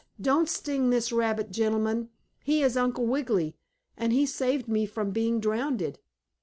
Don't sting this rabbit gentleman. He is Uncle Wiggily and he saved me from being drowned."